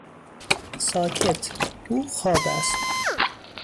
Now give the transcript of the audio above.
ساکت! او خواب است.